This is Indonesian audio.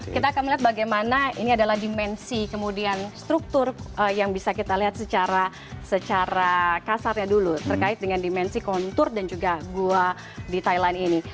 kita akan melihat bagaimana ini adalah dimensi kemudian struktur yang bisa kita lihat secara kasarnya dulu terkait dengan dimensi kontur dan juga gua di thailand ini